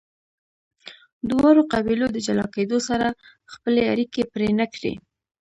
دواړو قبیلو د جلا کیدو سره خپلې اړیکې پرې نه کړې.